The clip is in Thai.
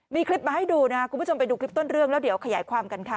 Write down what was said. มีคลิปมาให้ดูนะครับคุณผู้ชมไปดูคลิปต้นเรื่องแล้วเดี๋ยวขยายความกันค่ะ